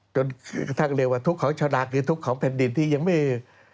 จนทั้งเรียกว่าทุกของชาวนาคือทุกของแผ่นดินที่ยังไม่